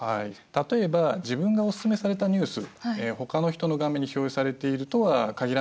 例えば自分がおすすめされたニュース他の人の画面に表示されているとは限らないんです。